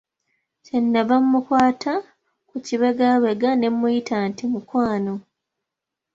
Kye nava mmukwata ku kibegabega ne mmuyita nti, "mukwano?"